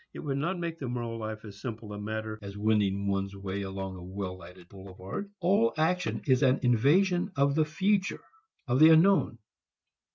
It would not make the moral life as simple a matter as wending one's way along a well lighted boulevard. All action is an invasion of the future, of the unknown.